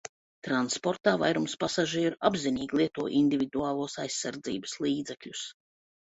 Transportā vairums pasažieru apzinīgi lieto individuālos aizsardzības līdzekļus.